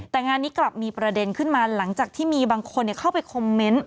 แต่งานนี้กลับมีประเด็นขึ้นมาหลังจากที่มีบางคนเข้าไปคอมเมนต์